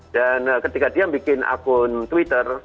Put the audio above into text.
dan ketika dia membuat akun twitter